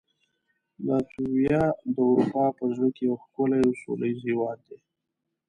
لاتویا د اروپا په زړه کې یو ښکلی او سولهییز هېواد دی.